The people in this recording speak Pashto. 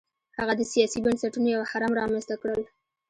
هغه د سیاسي بنسټونو یو هرم رامنځته کړل.